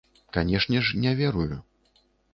Канешне ж, не верую.